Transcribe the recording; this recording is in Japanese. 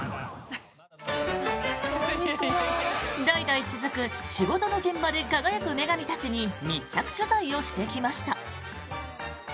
代々続く仕事の現場で輝く女神たちに密着取材をしてきました。